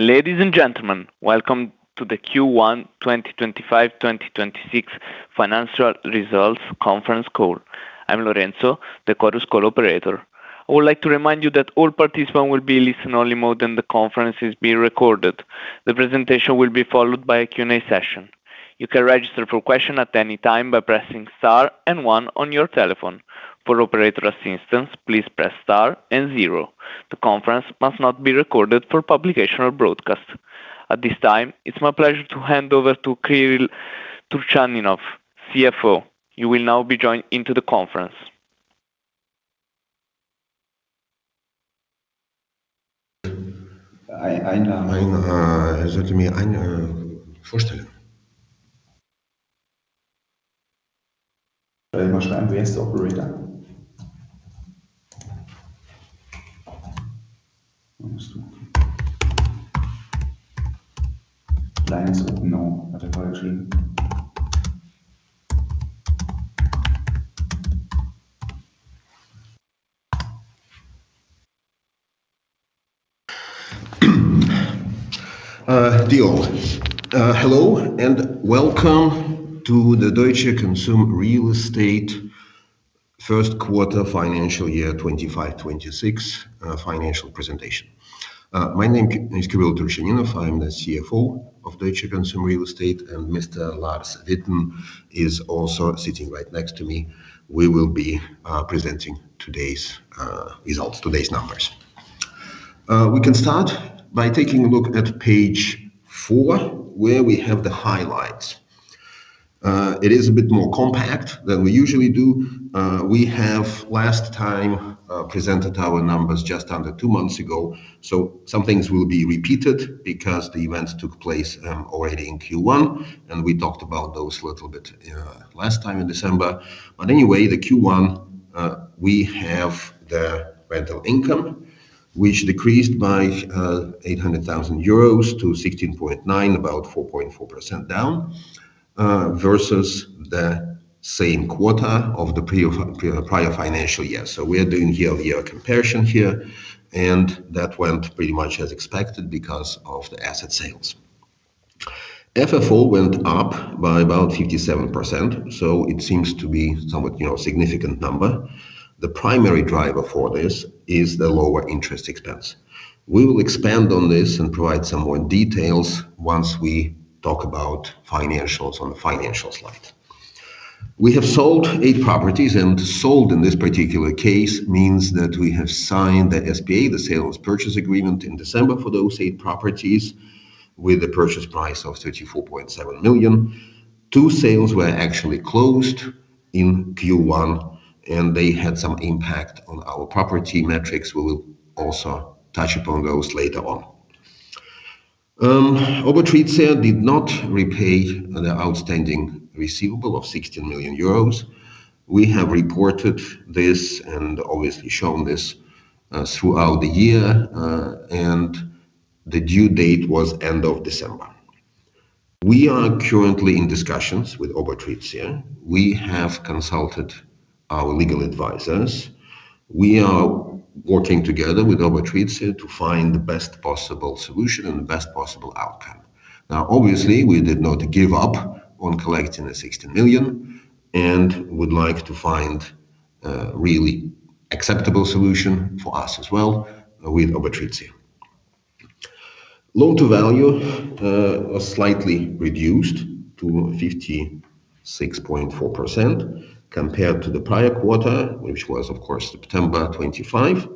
Ladies and gentlemen, welcome to the Q1 2025/2026 Financial Results Conference Call. I'm Lorenzo, the Chorus Call operator. I would like to remind you that all participants will be in listen-only mode, and the conference is being recorded. The presentation will be followed by a Q&A session. You can register for questions at any time by pressing star and one on your telephone. For operator assistance, please press star and zero. The conference must not be recorded for publication or broadcast. At this time, it's my pleasure to hand over to Kirill Turchaninov, CFO. You will now be joined into the conference. Hello, and welcome to the Deutsche Konsum Real Estate first quarter financial year 2025/2026 financial presentation. My name is Kirill Turchaninov. I'm the CFO of Deutsche Konsum Real Estate, and Mr. Lars Wittan is also sitting right next to me. We will be presenting today's results, today's numbers. We can start by taking a look at page four, where we have the highlights. It is a bit more compact than we usually do. We have last time presented our numbers just under two months ago, so some things will be repeated because the events took place already in Q1, and we talked about those a little bit last time in December. But anyway, the Q1, we have the rental income, which decreased by 800,000-16.9 million euros, about 4.4% down, versus the same quarter of the prior financial year. So we are doing year-over-year comparison here, and that went pretty much as expected because of the asset sales. FFO went up by about 57%, so it seems to be somewhat, you know, significant number. The primary driver for this is the lower interest expense. We will expand on this and provide some more details once we talk about financials on the financial slide. We have sold eight properties, and sold in this particular case means that we have signed the SPA, the sales purchase agreement, in December for those eight properties, with a purchase price of 34.7 million. Two sales were actually closed in Q1, and they had some impact on our property metrics. We will also touch upon those later on. Obotritia did not repay the outstanding receivable of 60 million euros. We have reported this and obviously shown this throughout the year, and the due date was end of December. We are currently in discussions with Obotritia. We have consulted our legal advisors. We are working together with Obotritia to find the best possible solution and the best possible outcome. Now, obviously, we did not give up on collecting the 60 million and would like to find a really acceptable solution for us as well with Obotritia. Loan-to-value was slightly reduced to 56.4% compared to the prior quarter, which was, of course, September 25.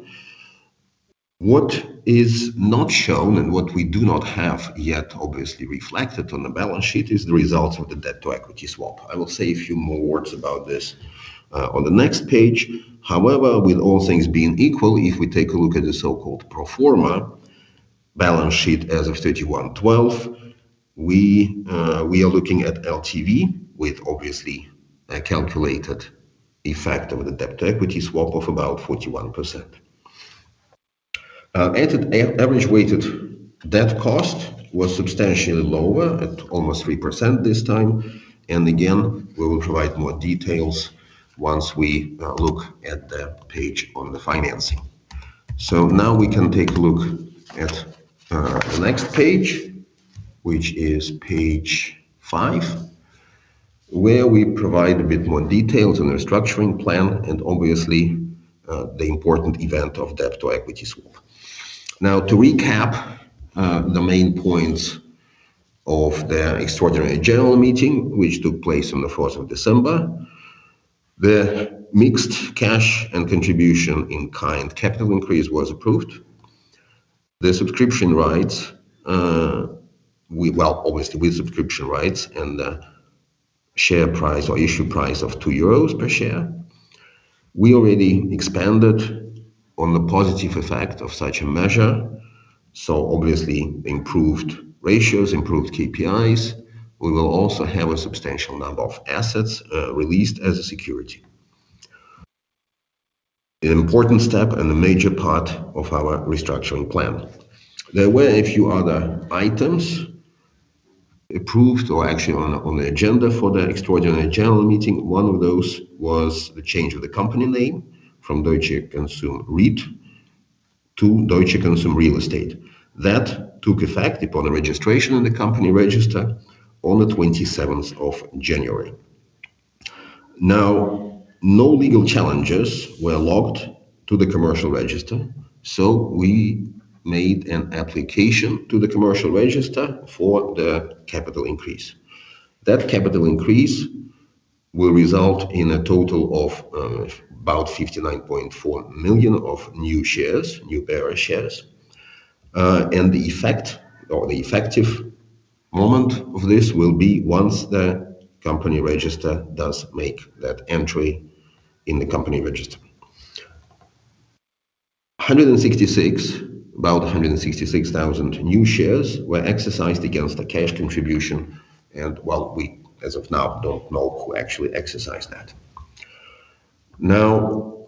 What is not shown and what we do not have yet obviously reflected on the balance sheet is the results of the debt to equity swap. I will say a few more words about this, on the next page. However, with all things being equal, if we take a look at the so-called pro forma balance sheet as of 31/12, we, we are looking at LTV with obviously a calculated effect of the debt to equity swap of about 41%. At an average weighted debt cost was substantially lower at almost 3% this time. And again, we will provide more details once we, look at the page on the financing. So now we can take a look at the next page, which is page five, where we provide a bit more details on the restructuring plan and obviously the important event of debt-to-equity swap. Now, to recap the main points of the extraordinary general meeting, which took place on the fourth of December. The mixed cash and contribution in kind capital increase was approved. The subscription rights, obviously, with subscription rights and the share price or issue price of 2 euros per share. We already expanded on the positive effect of such a measure, so obviously improved ratios, improved KPIs. We will also have a substantial number of assets released as a security. An important step and a major part of our restructuring plan. There were a few other items-... approved or actually on the agenda for the extraordinary general meeting. One of those was the change of the company name from Deutsche Konsum REIT to Deutsche Konsum Real Estate. That took effect upon the registration in the commercial register on the 27th of January. Now, no legal challenges were logged to the commercial register, so we made an application to the commercial register for the capital increase. That capital increase will result in a total of about 59.4 million of new shares, new bearer shares. And the effect or the effective moment of this will be once the commercial register does make that entry in the commercial register. 166, about 166,000 new shares were exercised against the cash contribution, and, well, we as of now, don't know who actually exercised that. Now,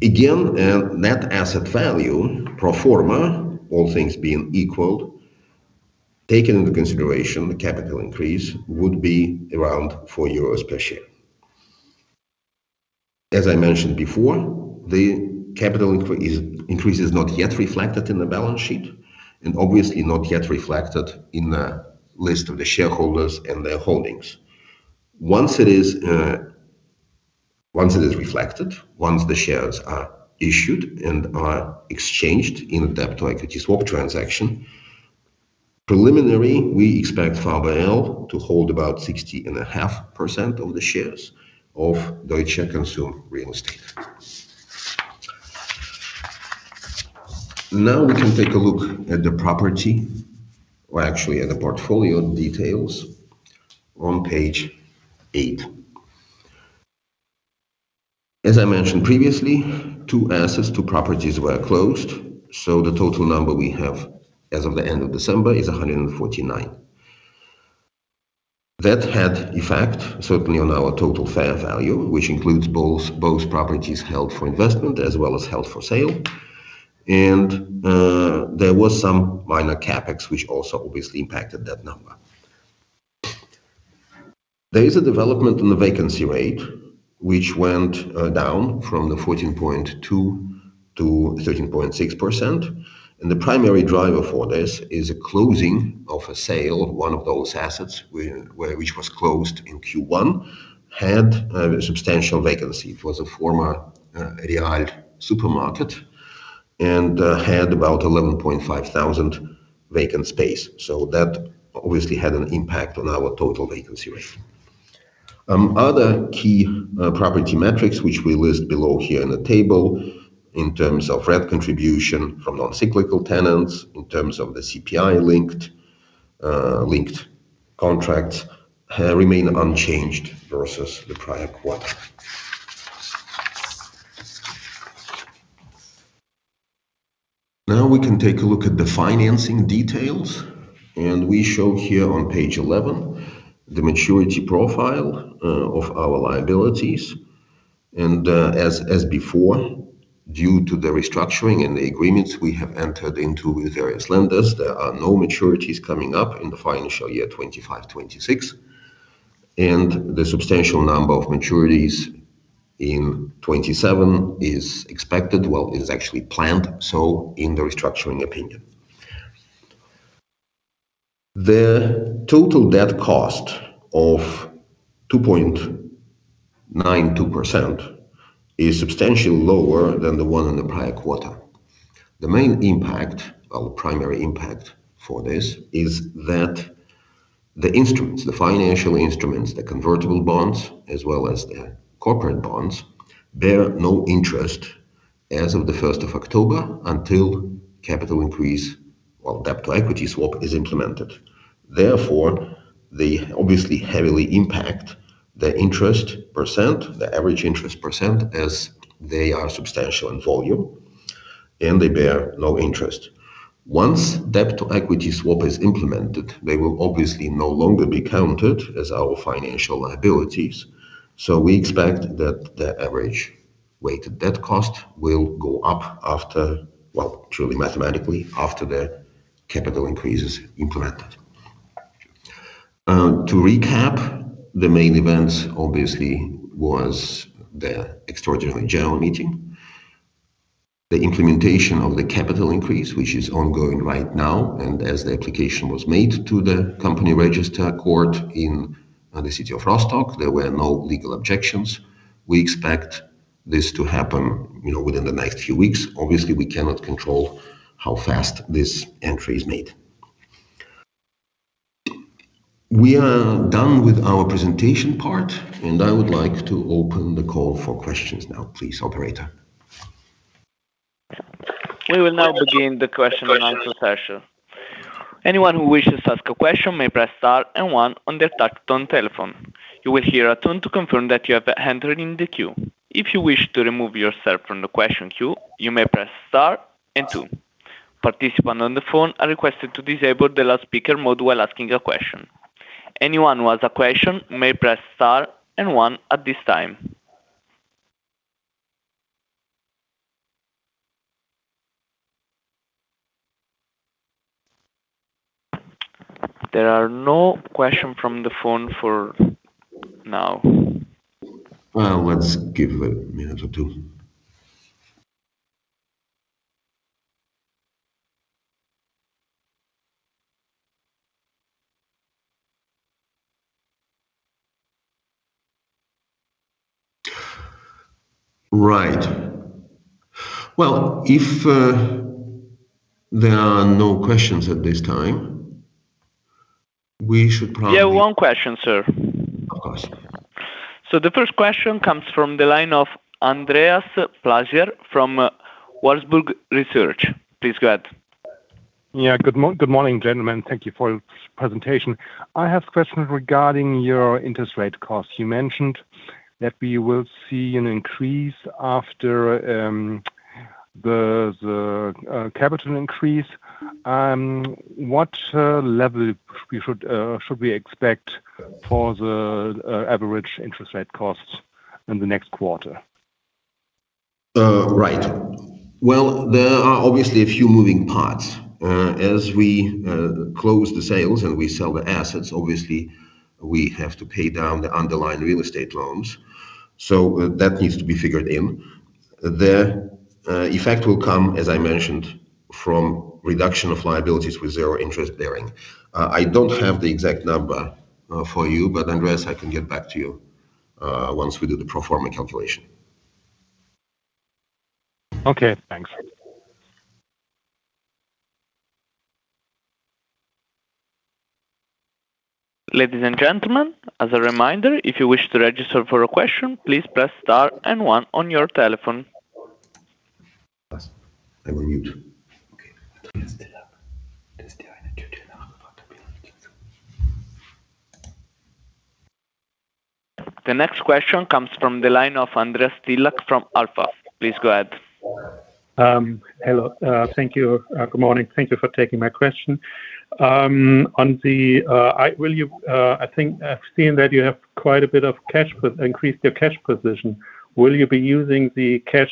again, net asset value pro forma, all things being equal, taking into consideration the capital increase would be around 4 euros per share. As I mentioned before, the capital increase is not yet reflected in the balance sheet and obviously not yet reflected in the list of the shareholders and their holdings. Once it is reflected, once the shares are issued and are exchanged in a debt-to-equity swap transaction, preliminary, we expect Faber L to hold about 60.5% of the shares of Deutsche Konsum Real Estate. Now, we can take a look at the property or actually at the portfolio details on page eight. As I mentioned previously, two assets, two properties were closed, so the total number we have as of the end of December is 149. That had effect, certainly on our total fair value, which includes both, both properties held for investment as well as held for sale. There was some minor CapEx, which also obviously impacted that number. There is a development in the vacancy rate, which went down from 14.2%-13.6%. The primary driver for this is a closing of a sale of one of those assets, which was closed in Q1, had a substantial vacancy. It was a former Real supermarket, and had about 11,500 vacant space. So that obviously had an impact on our total vacancy rate. Other key property metrics, which we list below here in the table in terms of rent contribution from non-cyclical tenants, in terms of the CPI linked linked contracts, remain unchanged versus the prior quarter. Now, we can take a look at the financing details, and we show here on page 11, the maturity profile of our liabilities. As before, due to the restructuring and the agreements we have entered into with various lenders, there are no maturities coming up in the financial year 2025, 2026. The substantial number of maturities in 2027 is expected, well, is actually planned, so in the restructuring opinion. The total debt cost of 2.92% is substantially lower than the one in the prior quarter. The main impact or primary impact for this is that the instruments, the financial instruments, the convertible bonds, as well as the corporate bonds, bear no interest as of the first of October until capital increase or debt to equity swap is implemented. Therefore, they obviously heavily impact the interest percent, the average interest percent, as they are substantial in volume, and they bear no interest. Once debt to equity swap is implemented, they will obviously no longer be counted as our financial liabilities. So we expect that the average weighted debt cost will go up after... Well, truly mathematically, after the capital increase is implemented. To recap, the main events obviously was the extraordinary general meeting, the implementation of the capital increase, which is ongoing right now, and as the application was made to the Commercial Register court in the city of Rostock, there were no legal objections. We expect this to happen, you know, within the next few weeks. Obviously, we cannot control how fast this entry is made. We are done with our presentation part, and I would like to open the call for questions now. Please, operator. We will now begin the question and answer session. Anyone who wishes to ask a question may press Star and One on their touch tone telephone. You will hear a tone to confirm that you have entered in the queue. If you wish to remove yourself from the question queue, you may press star and two. Participants on the phone are requested to disable the last speaker mode while asking a question. Anyone who has a question may press star and one at this time... There are no questions from the phone for now. Well, let's give it a minute or two. Right. Well, if there are no questions at this time, we should probably- Yeah, one question, sir. Of course. The first question comes from the line of Andreas Pläsier from Warburg Research. Please go ahead. Yeah. Good morning, gentlemen. Thank you for your presentation. I have questions regarding your interest rate costs. You mentioned that we will see an increase after the capital increase. What level should we expect for the average interest rate costs in the next quarter? Right. Well, there are obviously a few moving parts. As we close the sales and we sell the assets, obviously, we have to pay down the underlying real estate loans, so that needs to be figured in. The effect will come, as I mentioned, from reduction of liabilities with zero interest bearing. I don't have the exact number for you, but Andreas, I can get back to you once we do the pro forma calculation. Okay, thanks. Ladies and gentlemen, as a reminder, if you wish to register for a question, please press star and one on your telephone. We're mute. The next question comes from the line of Andreas Tillack from Alpha. Please go ahead. Hello. Thank you. Good morning. Thank you for taking my question. I think I've seen that you have quite a bit of cash with increased your cash position. Will you be using the cash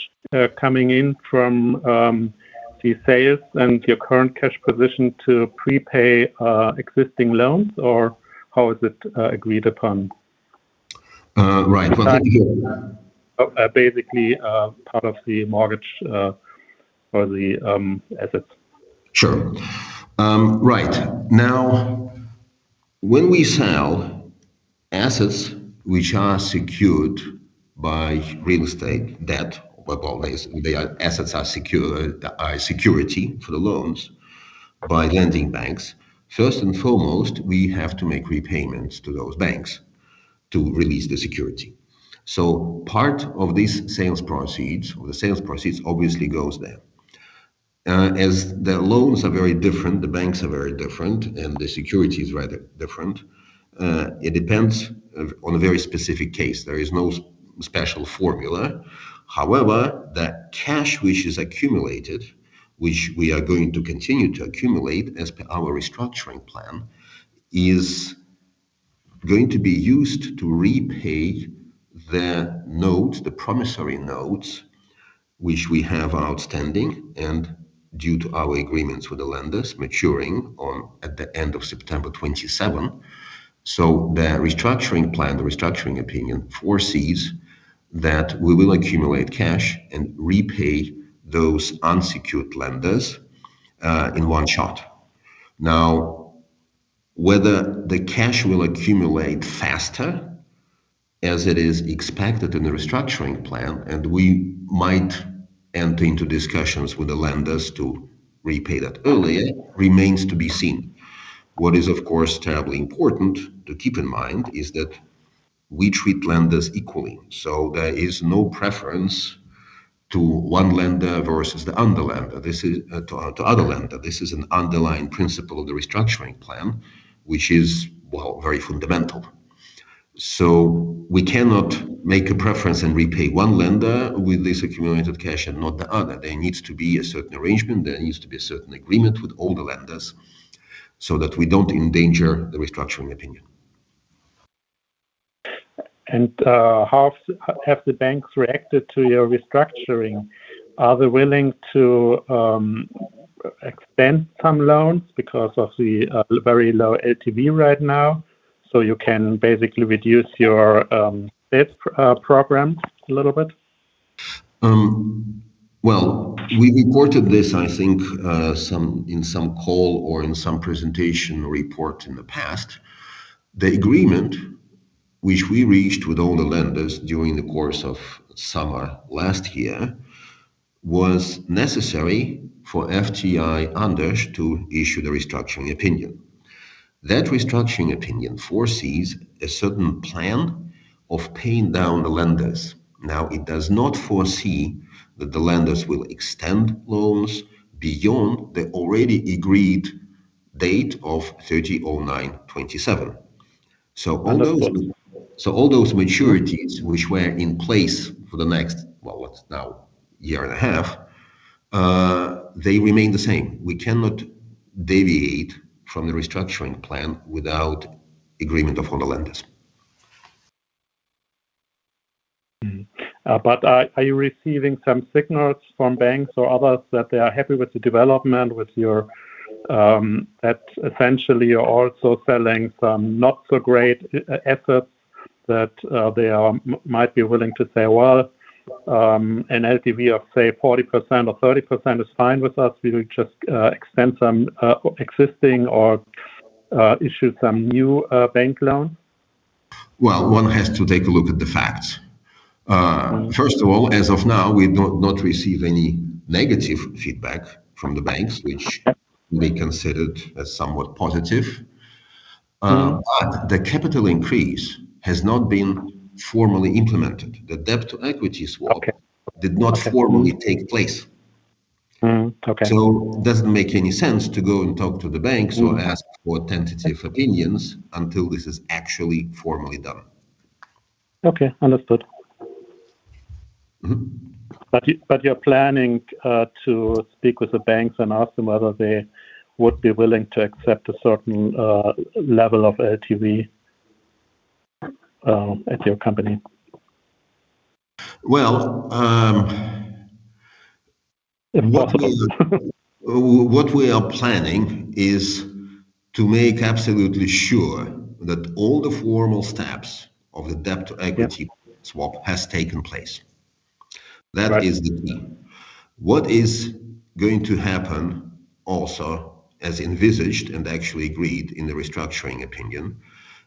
coming in from the sales and your current cash position to prepay existing loans, or how is it agreed upon? Right. Well, thank you. Basically, part of the mortgage or the assets. Sure. Right. Now, when we sell assets which are secured by real estate debt, well, always, they are security for the loans by lending banks. First and foremost, we have to make repayments to those banks to release the security. So part of these sales proceeds, or the sales proceeds, obviously goes there. As the loans are very different, the banks are very different, and the security is rather different, it depends on a very specific case. There is no special formula. However, the cash which is accumulated, which we are going to continue to accumulate as per our restructuring plan, is going to be used to repay the notes, the promissory notes, which we have outstanding and due to our agreements with the lenders maturing on at the end of September 2027. So the restructuring plan, the restructuring opinion, foresees that we will accumulate cash and repay those unsecured lenders in one shot. Now, whether the cash will accumulate faster, as it is expected in the restructuring plan, and we might enter into discussions with the lenders to repay that earlier, remains to be seen. What is, of course, terribly important to keep in mind is that we treat lenders equally, so there is no preference to one lender versus the other lender. This is to the other lender. This is an underlying principle of the restructuring plan, which is, well, very fundamental. So we cannot make a preference and repay one lender with this accumulated cash and not the other. There needs to be a certain arrangement, there needs to be a certain agreement with all the lenders, so that we don't endanger the restructuring opinion. How have the banks reacted to your restructuring? Are they willing to extend some loans because of the very low LTV right now, so you can basically reduce your debt program a little bit? Well, we reported this, I think, in some call or in some presentation report in the past. The agreement which we reached with all the lenders during the course of summer last year, was necessary for FTI-Andersch to issue the restructuring opinion. That restructuring opinion foresees a certain plan of paying down the lenders. Now, it does not foresee that the lenders will extend loans beyond the already agreed date of 30.09.2027. So all those- Understood. So all those maturities which were in place for the next, well, what's now a year and a half, they remain the same. We cannot deviate from the restructuring plan without agreement of all the lenders.... but are you receiving some signals from banks or others that they are happy with the development with your, that essentially you're also selling some not-so-great assets, that they might be willing to say, "Well, an LTV of, say, 40% or 30% is fine with us. We will just extend some existing or issue some new bank loans? Well, one has to take a look at the facts. First of all, as of now, we do not receive any negative feedback from the banks- Okay which we considered as somewhat positive. Mm. but the capital increase has not been formally implemented. The debt-to-equity swap- Okay... did not formally take place. Mm, okay. It doesn't make any sense to go and talk to the banks- Mm or ask for tentative opinions until this is actually formally done. Okay, understood. Mm-hmm. But you're planning to speak with the banks and ask them whether they would be willing to accept a certain level of LTV at your company? Well, um- If possible. What we are planning is to make absolutely sure that all the formal steps of the debt-to-equity- Yep -swap has taken place. Right. That is the key. What is going to happen also, as envisaged and actually agreed in the restructuring opinion,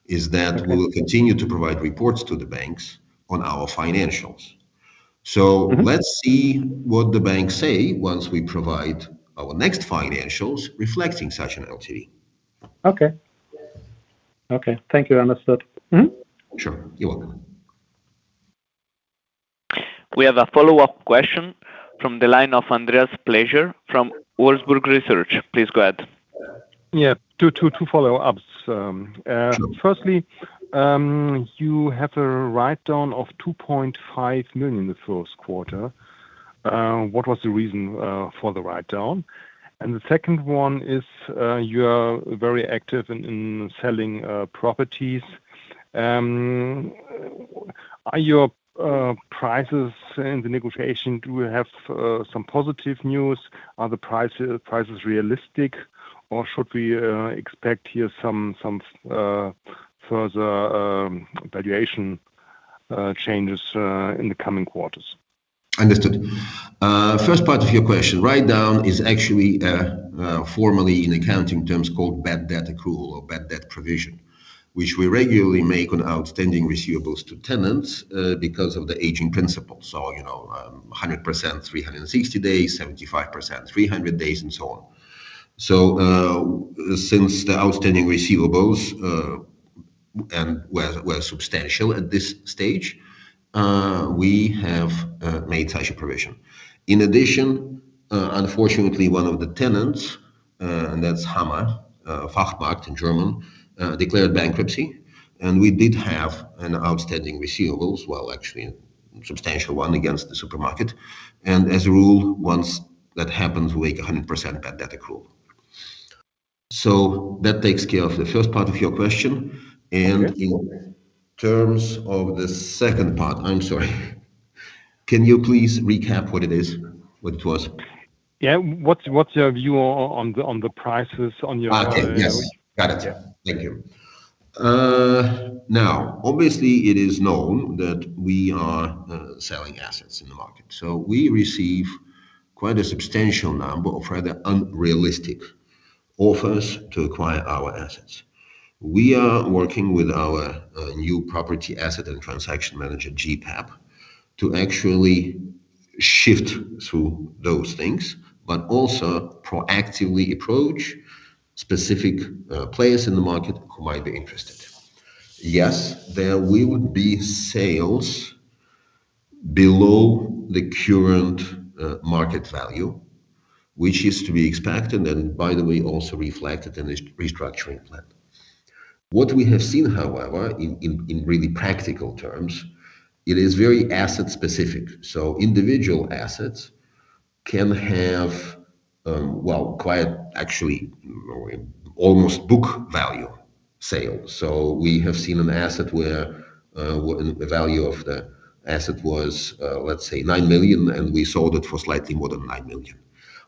is that we will continue to provide reports to the banks on our financials. Mm-hmm. Let's see what the banks say once we provide our next financials reflecting such an LTV. Okay. Okay, thank you. Understood. Mm-hmm? Sure. You're welcome. We have a follow-up question from the line of Andreas Pläsier from Warburg Research. Please go ahead. Yeah. Two follow-ups. Sure... firstly, you have a write-down of 2.5 million in the first quarter. What was the reason for the write-down? And the second one is, you are very active in selling properties. Are your prices in the negotiation, do you have some positive news? Are the prices, prices realistic, or should we expect here some further valuation changes in the coming quarters? Understood. First part of your question, write-down is actually formally in accounting terms called bad debt accrual or bad debt provision, which we regularly make on outstanding receivables to tenants because of the aging principle. So, you know, 100%, 360 days, 75%, 300 days, and so on. So, since the outstanding receivables and were substantial at this stage, we have made such a provision. In addition, unfortunately, one of the tenants, and that's Hammer Fachmärkte in German, declared bankruptcy, and we did have outstanding receivables, well, actually a substantial one, against the supermarket, and as a rule, once that happens, we make a 100% bad debt accrual. So that takes care of the first part of your question. Okay. In terms of the second part... I'm sorry, can you please recap what it is, what it was? Yeah. What's your view on the prices on your- Okay. Yes, got it. Yeah. Thank you. Now, obviously, it is known that we are selling assets in the market, so we receive quite a substantial number of rather unrealistic offers to acquire our assets. We are working with our new property asset and transaction manager, GPEP, to actually sift through those things, but also proactively approach specific players in the market who might be interested. Yes, there will be sales below the current market value, which is to be expected, and by the way, also reflected in the restructuring plan. What we have seen, however, in really practical terms, it is very asset specific. So individual assets can have, well, quite actually, almost book value sales. So we have seen an asset where, the value of the asset was, let's say 9 million, and we sold it for slightly more than 9 million.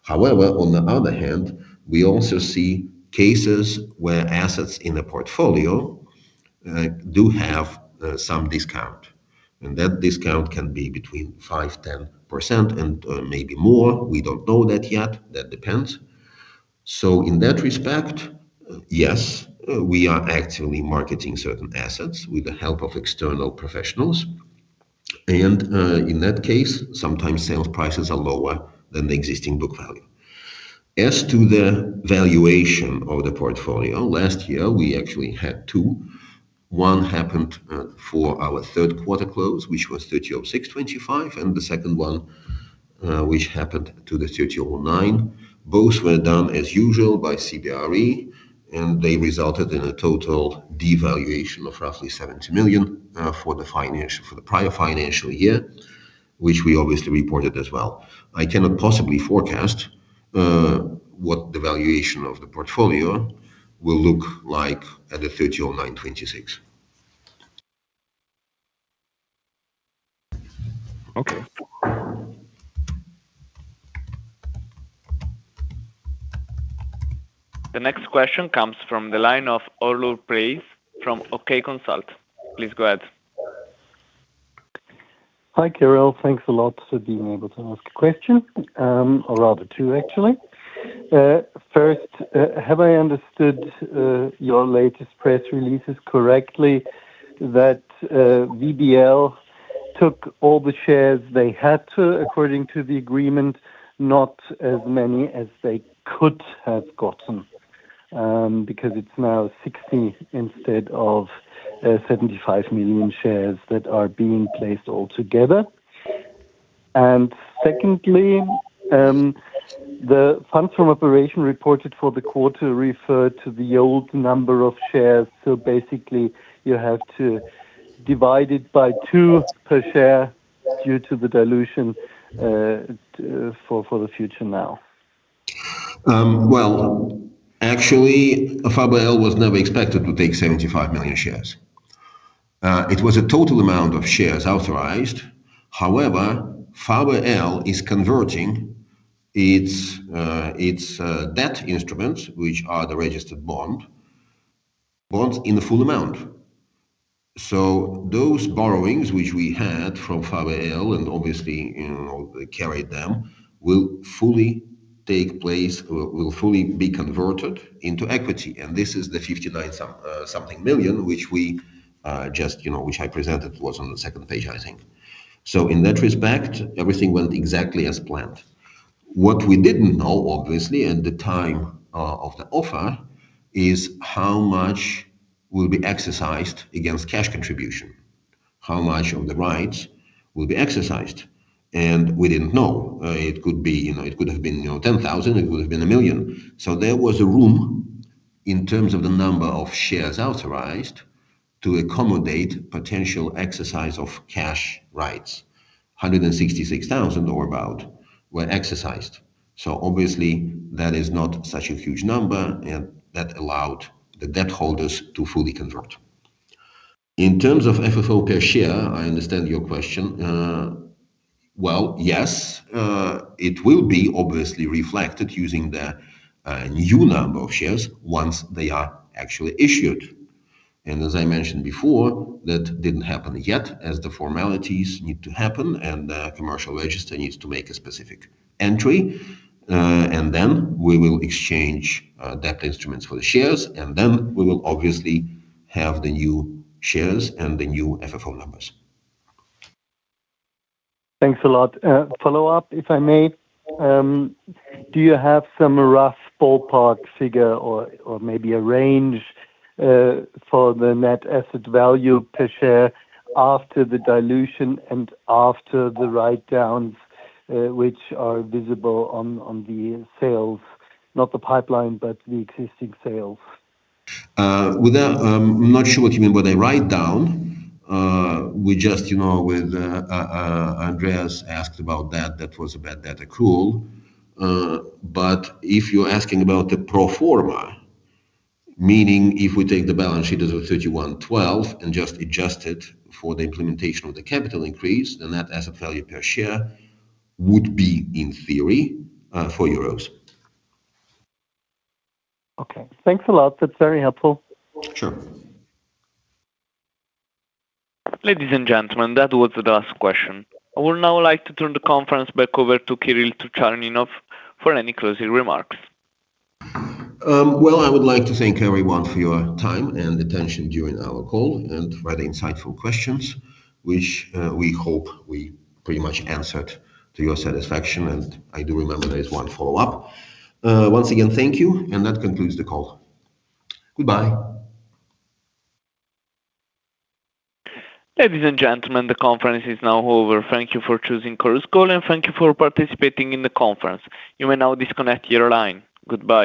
However, on the other hand, we also see cases where assets in the portfolio, do have, some discount, and that discount can be between 5%-10% and, maybe more. We don't know that yet. That depends. So in that respect, yes, we are actively marketing certain assets with the help of external professionals, and, in that case, sometimes sales prices are lower than the existing book value. As to the valuation of the portfolio, last year, we actually had two. One happened, for our third quarter close, which was 30th of June 2025, and the second one, which happened to the 30th of September. Both were done as usual by CBRE, and they resulted in a total devaluation of roughly 70 million for the prior financial year, which we obviously reported as well. I cannot possibly forecast what the valuation of the portfolio will look like at the 30/09/2026. Okay. The next question comes from the line of Orlu Praise from OK Consult. Please go ahead. Hi, Kirill. Thanks a lot for being able to ask a question, or rather two actually. First, have I understood your latest press releases correctly, that VBL took all the shares they had to, according to the agreement, not as many as they could have gotten? Because it's now 60 instead of 75 million shares that are being placed all together. And secondly, the funds from operations reported for the quarter referred to the old number of shares, so basically, you have to divide it by two per share due to the dilution, for the future now. Well, actually, Faber L was never expected to take 75 million shares. It was a total amount of shares authorized. However, Faber L is converting its debt instruments, which are the registered bond, bonds in the full amount. So those borrowings, which we had from Faber L, and obviously, you know, carried them, will fully take place, or will fully be converted into equity, and this is the 59-something million, which we just, you know, which I presented, was on the second page, I think. So in that respect, everything went exactly as planned. What we didn't know, obviously, at the time of the offer, is how much will be exercised against cash contribution, how much of the rights will be exercised, and we didn't know. It could be, you know, it could have been, you know, 10,000, it could have been 1 million. So there was a room in terms of the number of shares authorized to accommodate potential exercise of cash rights. 166,000 or about were exercised, so obviously, that is not such a huge number, and that allowed the debt holders to fully convert. In terms of FFO per share, I understand your question. Well, yes, it will be obviously reflected using the new number of shares once they are actually issued. And as I mentioned before, that didn't happen yet, as the formalities need to happen, and the commercial register needs to make a specific entry. And then we will exchange debt instruments for the shares, and then we will obviously have the new shares and the new FFO numbers. Thanks a lot. Follow up, if I may. Do you have some rough ballpark figure or maybe a range for the net asset value per share after the dilution and after the write-downs, which are visible on the sales, not the pipeline, but the existing sales? I'm not sure what you mean by the write-down. We just, you know, Andreas asked about that. That was a bad debt accrual. But if you're asking about the pro forma, meaning if we take the balance sheet as of 31/12 and just adjust it for the implementation of the capital increase, then that asset value per share would be, in theory, EUR 4. Okay. Thanks a lot. That's very helpful. Sure. Ladies and gentlemen, that was the last question. I would now like to turn the conference back over to Kirill Turchaninov for any closing remarks. Well, I would like to thank everyone for your time and attention during our call, and for the insightful questions, which we hope we pretty much answered to your satisfaction, and I do remember there is one follow-up. Once again, thank you, and that concludes the call. Goodbye. Ladies and gentlemen, the conference is now over. Thank you for choosing Chorus Call, and thank you for participating in the conference. You may now disconnect your line. Goodbye.